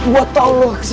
buat tolong disini